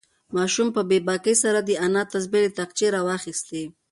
ماشوم په بې باکۍ سره د انا تسبیح له تاقچې راوخیستې.